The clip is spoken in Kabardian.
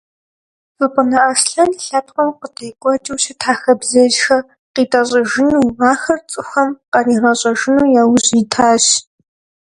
Цӏыпӏынэ Аслъэн лъэпкъым къыдекӏуэкӏыу щыта хабзэжьхэр къитӏэщӏыжыну, ахэр цӏыхухэм къаригъэщӏэжыну яужь итащ.